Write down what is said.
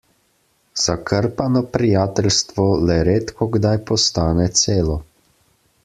Zakrpano prijateljstvo le redkokdaj postane celo.